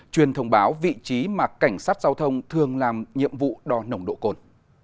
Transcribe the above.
truyền thông báo vị trí mà cảnh sát giao thông thường làm nhiệm vụ đo nồng độ cồn